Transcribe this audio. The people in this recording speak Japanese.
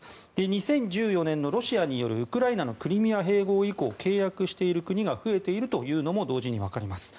２０１４年のロシアによるウクライナのクリミア併合で契約している国が増えているというのも同時に分かります。